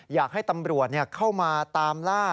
อยากให้ตำรวจเข้ามาตามล่า